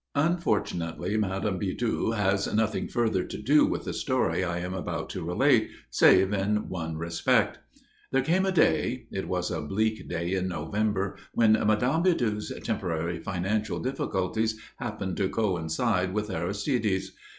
Unfortunately Madame Bidoux has nothing further to do with the story I am about to relate, save in one respect: There came a day it was a bleak day in November, when Madame Bidoux's temporary financial difficulties happened to coincide with Aristide's.